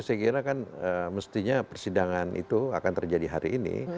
saya kira kan mestinya persidangan itu akan terjadi hari ini